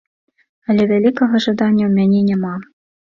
Але вялікага жадання ў мяне няма.